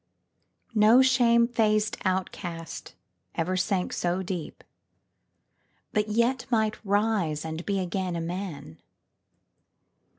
No shame faced outcast ever sank so deep, But yet might rise and be again a man